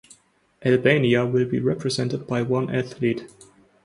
Albania will be represented by one athlete.